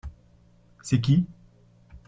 C’est qui ?